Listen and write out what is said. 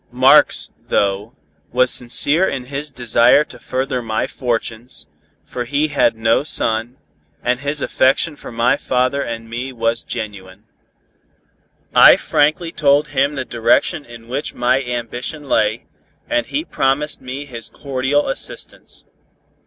Marx, though, was sincere in his desire to further my fortunes, for he had no son, and his affection for my father and me was genuine. I frankly told him the direction in which my ambition lay, and he promised me his cordial assistance.